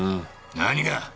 何が？